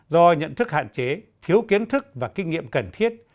do nhận thức hạn chế thiếu kiến thức và kinh nghiệm cần thiết